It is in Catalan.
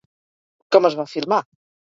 Com es va filmar?